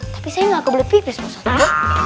tapi saya gak kebelet pipis pak ustadz